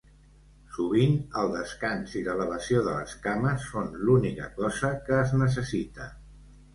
Sovint, el descans i l'elevació de les cames són l'única cosa que es necessita.